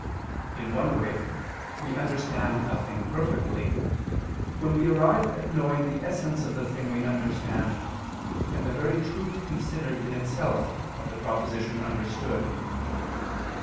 In one way, we understand a thing perfectly, when we arrive at knowing the essence of the thing we understand, and the very truth considered in itself of the proposition understood.